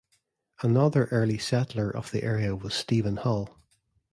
Another early settler of the area was Stephen Hull.